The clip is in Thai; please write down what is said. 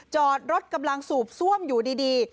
จอดรถกำลังสูบซ่วมอยู่ดี